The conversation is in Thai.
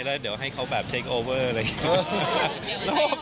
แล้วเดี๋ยวให้เขาแบบเช็คโอเวอร์อะไรอย่างนี้